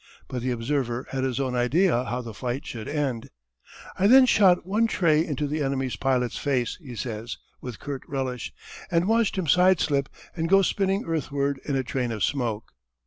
But the observer, had his own idea how the fight should end. "I then shot one tray into the enemy pilot's face," he says, with curt relish, "and watched him sideslip and go spinning earthward in a train of smoke."